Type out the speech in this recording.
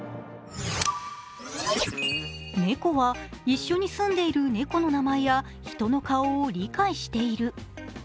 猫は、一緒に住んでいる猫の名前や人の顔を理解している。